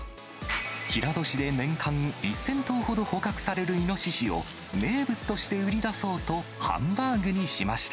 平戸市で年間１０００頭ほど捕獲されるイノシシを、名物として売り出そうと、ハンバーグにしました。